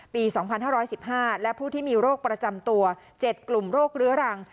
ปีสองพันห้าร้อยสิบห้าและผู้ที่มีโรคประจำตัวเจ็ดกลุ่มโรคเรื้อรัง